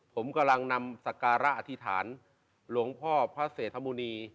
ผมกำลังนำสการะอธิษฐานหลวงพ่อพระเศรษฐมุณี